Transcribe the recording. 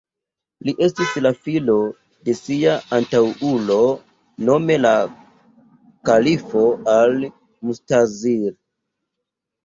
Li estis la filo de sia antaŭulo, nome la kalifo Al-Mustazhir.